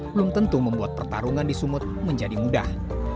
belum tentu membuat pertarungan di sumut menjadi mudah